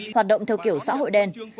hoạt động theo kiểu xã hội đen